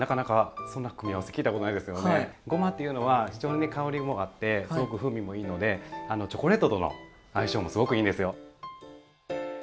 ごまっていうのは非常に香りもあってすごく風味もいいのでチョコレートとの相性もすごくいいんですよ。